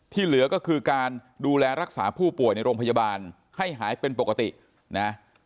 เหลือก็คือการดูแลรักษาผู้ป่วยในโรงพยาบาลให้หายเป็นปกตินะ